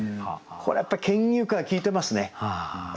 これやっぱり「牽牛花」が効いてますね。